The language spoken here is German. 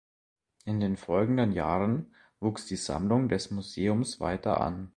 In den folgenden Jahren wuchs die Sammlung des Museums weiter an.